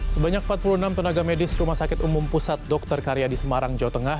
sebanyak empat puluh enam tenaga medis rumah sakit umum pusat dr karya di semarang jawa tengah